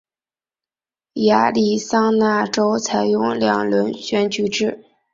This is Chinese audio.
亚利桑那州采用两轮选举制。